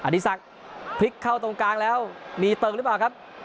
ดีศักดิ์พลิกเข้าตรงกลางแล้วมีเติมหรือเปล่าครับ